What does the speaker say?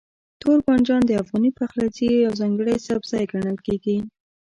توربانجان د افغاني پخلنځي یو ځانګړی سبزی ګڼل کېږي.